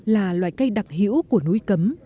là loài cây đặc hữu của núi cấm